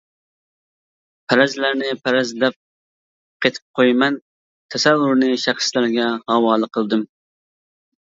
پەرەزلەرنى پەرەز دەپ قېتىپ قويىمەن، تەسەۋۋۇرنى شەخسلەرگە ھاۋالە قىلدىم.